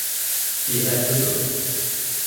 He had the built.